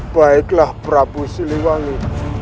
baiklah prabu siliwangi